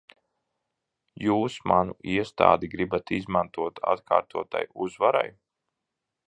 Jūs manu iestādi gribat izmantot atkārtotai uzvarai?